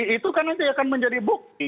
itu kan nanti akan menjadi bukti